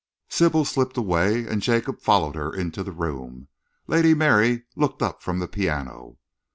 Sybil slipped away and Jacob followed her into the room. Lady Mary looked up from the piano.